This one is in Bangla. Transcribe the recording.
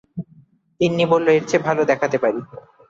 তিন্নি বলল, এর চেয়েও ভালো দেখাতে পারি।